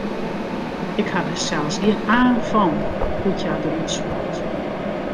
Ik ha der sels gjin aan fan hoe't hja derút sjocht.